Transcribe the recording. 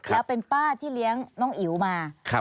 แล้วเป็นป้าที่เลี้ยงน้องอิ๋วมา